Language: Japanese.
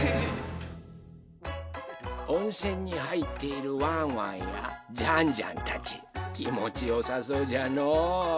温泉にはいっているワンワンやジャンジャンたちきもちよさそうじゃのう。